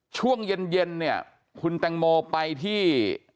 ช่วงเย็นคุณแต่งโมไปที่